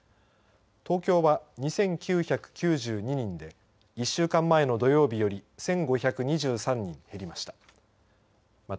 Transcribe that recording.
東京は２９９２人で１週間前の土曜日より１５２３人減りました。